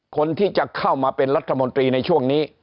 คนที่จะเข้ามาเป็นรัฐมนตรีในช่วงนี้